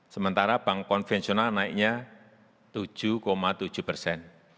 sementara bank konvensional naiknya tujuh tujuh persen